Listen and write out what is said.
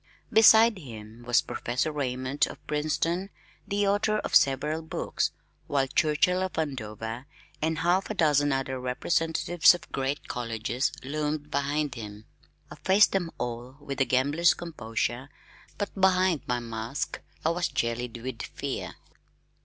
Beside him was Professor Raymond of Princeton, the author of several books, while Churchill of Andover and half a dozen other representatives of great colleges loomed behind him. I faced them all with a gambler's composure but behind my mask I was jellied with fear.